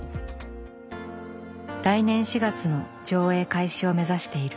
来年４月の上映開始を目指している。